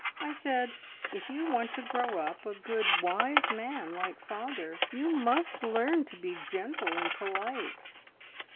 I said: `If you want to grow up a good, wise man like father, you must learn to be gentle and polite.